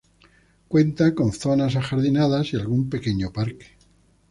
Cuenta con zonas ajardinadas y algún pequeño parque.